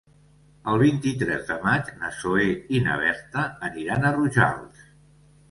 El vint-i-tres de maig na Zoè i na Berta aniran a Rojals.